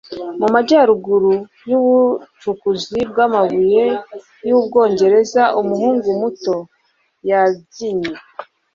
Mu majyaruguru y’ubucukuzi bw’amabuye y’Ubwongereza, umuhungu muto yabyinnye